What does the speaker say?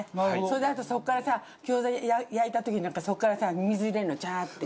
それであとそこからさ餃子焼いた時なんかそこからさ水入れるのジャーッて。